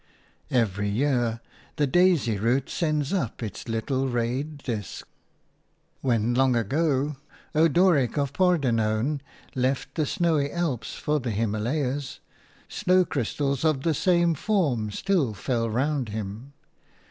Every year the daisy root sends up its little rayed disk. When, long ago, Odoric of Pordenone left the snowy Alps for the Himalayas, snow crystals of the same forms still fell round him.